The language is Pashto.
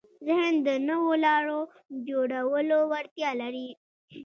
ذهن د نوو لارو جوړولو وړتیا لري.